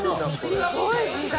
すごい時代。